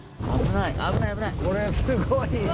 これすごいな。